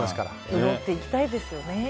潤っていきたいですよね。